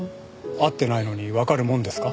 会ってないのにわかるもんですか？